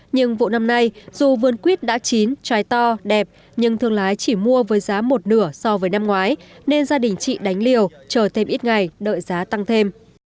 nhưng vụ năm nay dù vườn quyết đã chín trái to đẹp nhưng thương lái chỉ mua với giá một nửa so với năm ngoái nên gia đình chị đánh liều chờ thêm ít ngày đợi giá tăng thêm